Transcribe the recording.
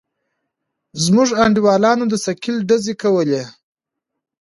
زموږ انډيوالانو د ثقيل ډزې کولې.